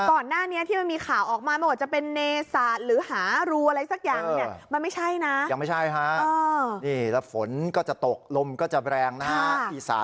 ก่อนหน้านี้ที่มันมีข่าวออกมามันออกมาว่าจะเป็นเนษา